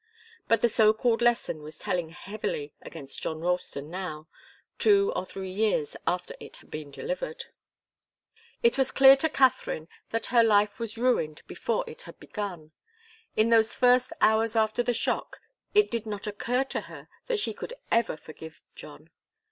But the so called lesson was telling heavily against John Ralston now, two or three years after it had been delivered. It was clear to Katharine that her life was ruined before it had begun. In those first hours after the shock it did not occur to her that she could ever forgive John.